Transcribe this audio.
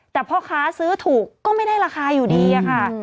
แต่พ่อค้าซื้อถูกก็ไม่ได้ราคาอยู่ดีอะค่ะ